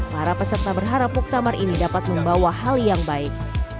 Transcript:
para peserta berharap muktamar ini dapat membawa hal yang baik